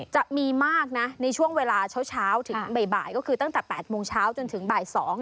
จะมีมากนะในช่วงเวลาเช้าถึงบ่ายก็คือตั้งแต่๘โมงเช้าจนถึงบ่าย๒